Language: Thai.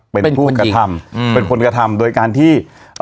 เป็นผู้กระทำอืมเป็นคนกระทำโดยการที่